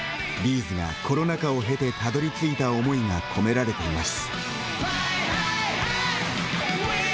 ’ｚ が、コロナ禍をへてたどりついた思いが込められています。